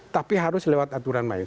tapi harus lewat aturan main